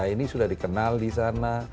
ini sudah dikenal di sana